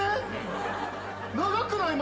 長くない！？